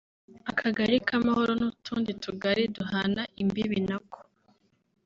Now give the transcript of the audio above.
Akagali ka Amahoro n’utundi tugali duhana imbibi nako